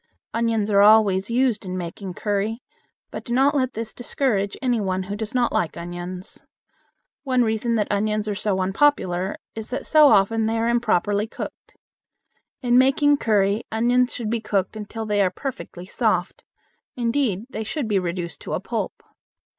Onions are always used in making curry, but do not let this discourage any one who does not like onions. One reason that onions are so unpopular is that so often they are improperly cooked. In making curry onions should be cooked until they are perfectly soft. Indeed they should be reduced to a pulp.